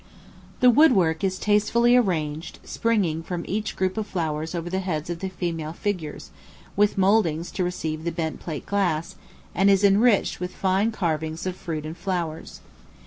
The wood work is tastefully arranged, springing from each group of flowers over the heads of the female figures, with mouldings to receive the bent plate glass, and is enriched with fine carvings of fruit and flowers.